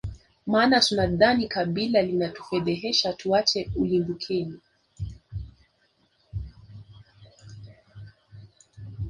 maana tunadhani kabila linatufedhehesha tuache ulimbukeni